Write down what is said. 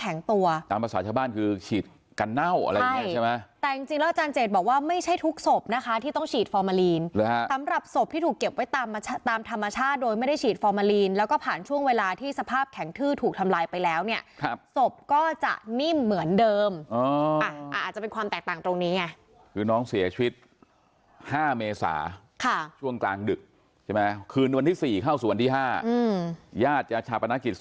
แข็งตัวตามภาษาชาบ้านคือฉีดกันเน่าอะไรอย่างเงี้ยใช่ไหมใช่แต่จริงจริงแล้วอาจารย์เจดบอกว่าไม่ใช่ทุกศพนะคะที่ต้องฉีดฟอร์มาลีนหรือฮะตำรับศพที่ถูกเก็บไว้ตามตามธรรมชาติโดยไม่ได้ฉีดฟอร์มาลีนแล้วก็ผ่านช่วงเวลาที่สภาพแข็งทื้อถูกทำลายไปแล้วเนี่ยครับศพก